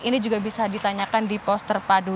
ini juga bisa ditanyakan di pos terpadu